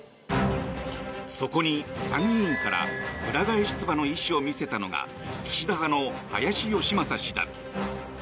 そこに参議院からくら替え出馬の意思を見せたのが岸田派の林芳正氏だ。